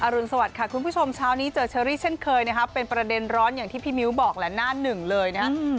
รุนสวัสดิค่ะคุณผู้ชมเช้านี้เจอเชอรี่เช่นเคยนะครับเป็นประเด็นร้อนอย่างที่พี่มิ้วบอกแหละหน้าหนึ่งเลยนะครับ